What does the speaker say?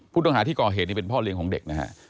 ผู้ต้องหาที่ก่อเหตุนี่เป็นพ่อเลี้ยงของเด็กนะฮะ